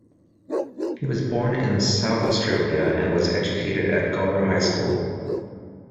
He was born in South Australia and was educated at Gawler High School.